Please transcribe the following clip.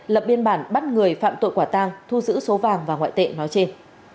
lập biên bản bắt người phạm tội quả tang thu giữ số vàng và ngoại tệ nói trên